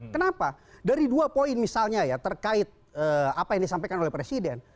kenapa dari dua poin misalnya ya terkait apa yang disampaikan oleh presiden